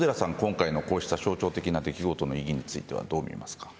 今回のこうした象徴的な意義についてはどう思いますか。